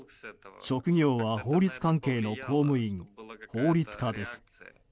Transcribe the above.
職業は法律関係の公務員法律家です。